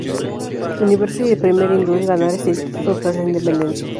Universo y el primer hindú en ganar ese título tras la independencia.